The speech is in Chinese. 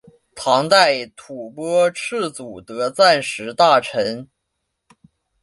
唐代吐蕃赤祖德赞时大臣。